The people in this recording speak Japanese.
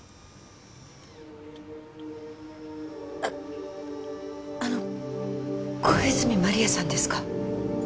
あっあの小泉万里亜さんですか？